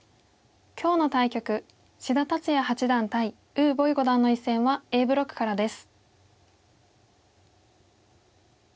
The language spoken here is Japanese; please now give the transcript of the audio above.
今日の対局志田達哉八段対呉柏毅五段の一戦はＡブロックからです。